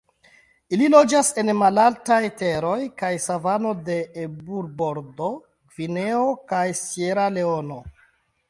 Ili loĝas en malaltaj teroj kaj savano de Eburbordo, Gvineo kaj Sieraleono.